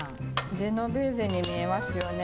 ジェノベーゼに見えますよね。